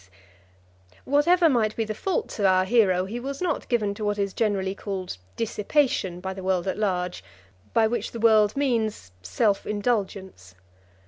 Whatever might be the faults of our hero, he was not given to what is generally called dissipation by the world at large, by which the world means self indulgence.